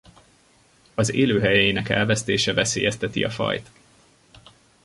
Az élőhelyeinek elvesztése veszélyezteti a fajt.